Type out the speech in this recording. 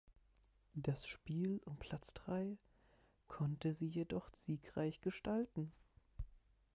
Das Spiel um Platz drei konnte sie jedoch siegreich gestalten.